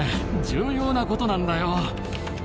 重要なことなんだよ。